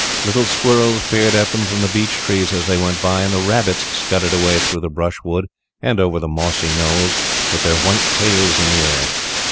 Little squirrels peered at them from the beech trees as they went by, and the rabbits scudded away through the brushwood and over the mossy knolls, with their white tails in the air.